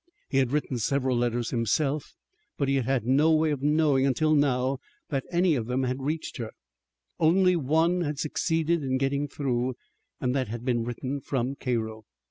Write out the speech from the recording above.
He had written several letters himself, but he had no way of knowing until now that any of them had reached her. Only one had succeeded in getting through, and that had been written from Cairo.